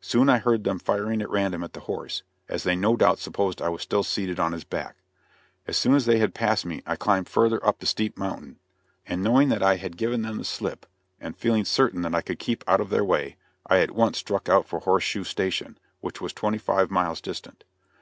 Soon I heard them firing at random at the horse, as they no doubt supposed I was still seated on his back. As soon as they had passed me I climbed further up the steep mountain, and knowing that I had given them the slip, and feeling certain that I could keep out of their way, I at once struck out for Horseshoe station, which was twenty five miles distant.